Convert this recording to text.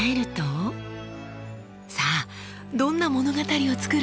さあどんな物語を作る？